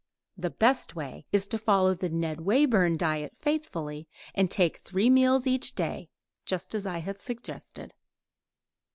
The best way is to follow the Ned Wayburn diet faithfully, and take three meals each day, just as I have suggested.